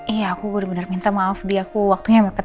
iya aku udah bener minta maaf di aku waktunya mepet